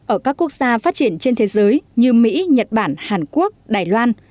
ở các quốc gia phát triển trên thế giới như mỹ nhật bản hàn quốc đài loan